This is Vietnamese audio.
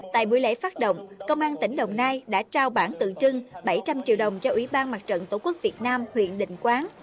tại buổi lễ phát động công an tỉnh đồng nai đã trao bản tượng trưng bảy trăm linh triệu đồng cho ủy ban mặt trận tổ quốc việt nam huyện định quán